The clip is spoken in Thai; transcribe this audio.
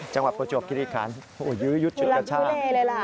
จังหวัดประจวบกิฤษภัณฑ์ยื้อยุดชุดกับช่าง